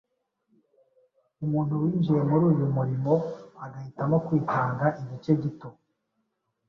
umuntu winjiye muri uyu murimo agahitamo kwitanga igice gito,